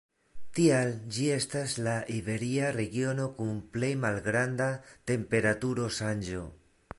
Tial, ĝi estas la iberia regiono kun plej malgranda temperaturo-ŝanĝo.